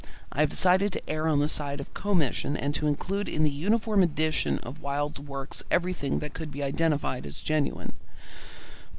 I have decided to err on the side of commission and to include in the uniform edition of Wilde's works everything that could be identified as genuine.